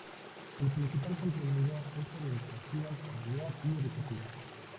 El principal contenido es orientación familiar y educativa.